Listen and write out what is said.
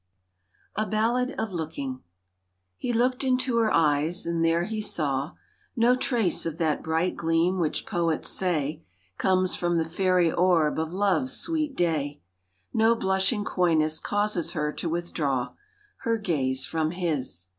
A BALLAD OF LOOKING He looked into her eyes, and there he saw No trace of that bright gleam which poets say Comes from the faery orb of love's sweet day, No blushing coyness causes her to withdraw Her gaze from his.